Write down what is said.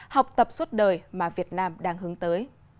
học tập suốt đời mà việt nam đang hướng tới